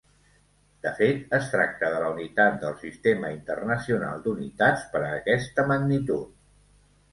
De fet, es tracta de la unitat del Sistema Internacional d'Unitats per a aquesta magnitud.